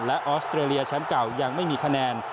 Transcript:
และออสเตรเลียแชมป์เก่ายังไม่มีคะแนน